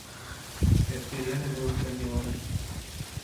Ertir ýene böwürslen ýygaryn.